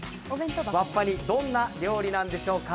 わっぱ煮、どんな料理なんでしょうか。